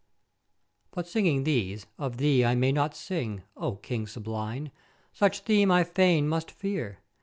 But, singing these, of thee I may not sing, O King sublime! such theme I fain must fear.